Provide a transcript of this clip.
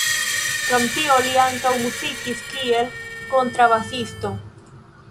Krom tio li ankaŭ muzikis kiel kontrabasisto.